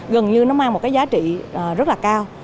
gần như nó mang một cái giá trị rất là cao